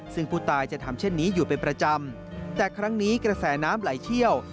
ซึ่งผู้ตายจะทำเช่นนี้อยู่เป็นประจำแต่ครั้งนี้กระแสน้ำไหลเชี่ยว